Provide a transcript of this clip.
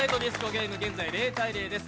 ゲーム現在０−０です。